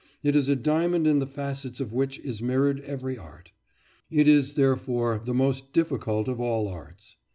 It is a diamond in the facets of which is mirrored every art. It is, therefore, the most difficult of all arts.